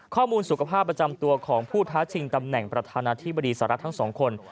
ข้อมูลสุขภาพประจำตัวของผู้ท้าชิงตำแหน่งประธานาธิบดีสหรัฐทั้งสองคน